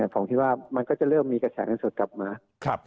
ผมคิดว่ามันก็จะเริ่มมีกระแสเงินสดกลับมา